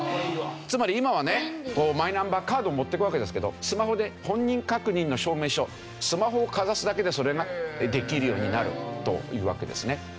つまり今はマイナンバーカード持っていくわけですけどスマホで本人確認の証明書スマホをかざすだけでそれができるようになるというわけですね。